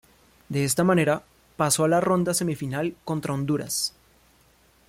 De esta manera, pasó a la ronda semifinal contra Honduras.